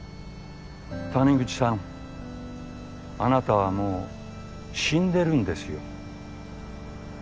谷口さんあなたはもう死んでるんですよ。